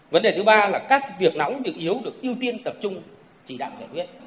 vấn đề thứ ba là các việc nóng việc yếu được ưu tiên tập trung chỉ đạo giải quyết